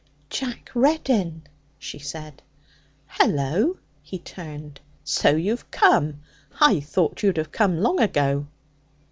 'Jack Reddin!' she said. 'Hullo!' He turned. 'So you've come? I thought you'd have come long ago.'